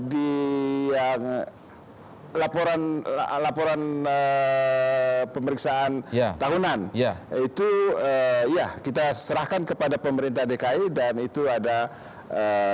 di yang laporan pemeriksaan tahunan itu kita serahkan kepada pemerintah dki dan itu ada jatuh jatuh